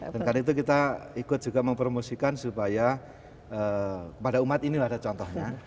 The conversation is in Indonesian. dan karena itu kita ikut juga mempromosikan supaya pada umat ini lah ada contohnya